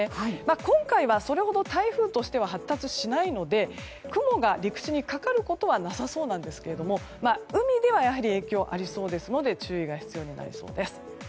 今回は、それほど台風としては発達しないので雲が陸地にかかることはなさそうなんですが海ではやはり影響がありそうなので注意が必要になりそうです。